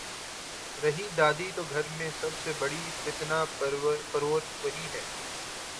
رہی دادی تو گھر میں سب سے بڑی فتنہ پرور وہی ہے۔